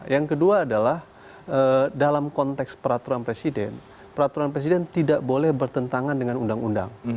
yang kedua adalah dalam konteks peraturan presiden peraturan presiden tidak boleh bertentangan dengan undang undang